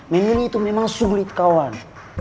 memilih itu memang sulit kawan